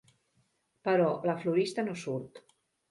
Però la florista no surt.